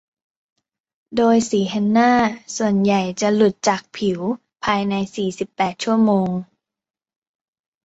โดยสีเฮนน่าส่วนใหญ่จะหลุดจากผิวภายใน สี่สิบแปด ชั่วโมง